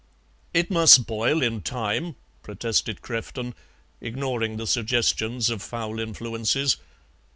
"It must boil in time," protested Crefton, ignoring the suggestions of foul influences.